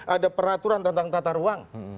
ada peraturan tentang tata ruang